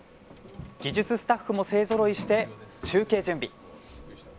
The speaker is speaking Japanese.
技術スタッフも勢ぞろいして中継準備。